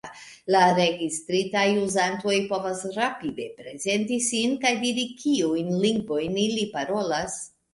La registritaj uzantoj povas rapide prezenti sin kaj diri kiujn lingvojn ili parolas.